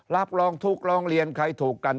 รับรองถูกรองเรียนไข่ถูกกัน